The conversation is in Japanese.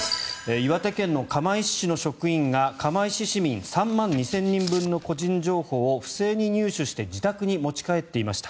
岩手県釜石市の職員が釜石市民３万２０００人分の個人情報を不正に入手して自宅に持ち帰っていました。